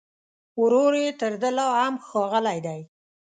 ورور يې تر ده لا هم ښاغلی دی